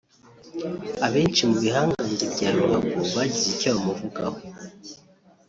Abenshi mu bihangange bya ruhago bagize icyo bamuvugaho